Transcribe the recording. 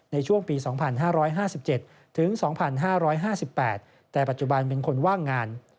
ในช่วงปี๒๕๕๗ถึง๒๕๕๘แต่ปัจจุบันเป็นคนว่างงาน